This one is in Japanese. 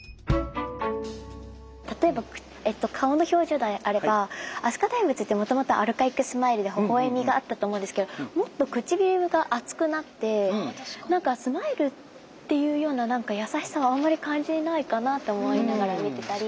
例えば顔の表情であれば飛鳥大仏ってもともとアルカイックスマイルでほほ笑みがあったと思うんですけどもっと唇が厚くなってスマイルっていうような何か優しさをあんまり感じないかなと思いながら見てたり。